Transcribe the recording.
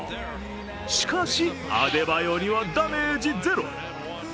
しかし、アデバヨにはダメージゼロ。